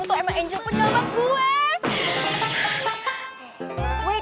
lo tuh emang angel penjual banget gue